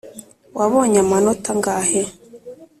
- wabonye amanota angahe?